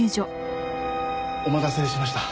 お待たせしました。